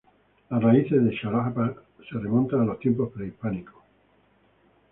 Las raíces de Xalapa se remontan a los tiempos prehispánicos.